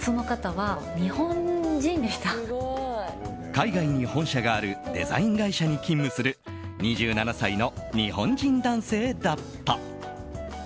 海外に本社があるデザイン会社に勤務する２７歳の日本人男性だった。